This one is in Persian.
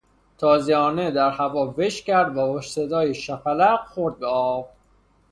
تازیانه در هوا وژ کرد و با صدای شپلق خورد به آب.